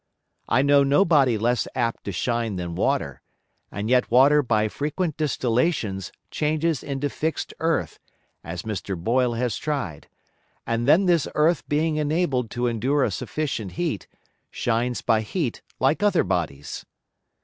I know no Body less apt to shine than Water; and yet Water by frequent Distillations changes into fix'd Earth, as Mr. Boyle has try'd; and then this Earth being enabled to endure a sufficient Heat, shines by Heat like other Bodies.